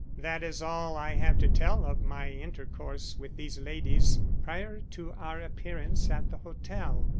That is all I have to tell of my intercourse with these ladies prior to our appearance at the hotel.